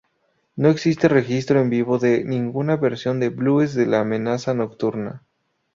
No existe registro en vivo de ninguna versión de "Blues de la amenaza nocturna".